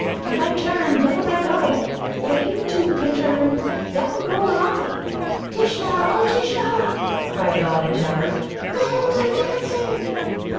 If I turn, down I go. But if you two can turn, down go will I." "Tishnar, O Tishnar," cried Nod in terror, "the hills are dancing."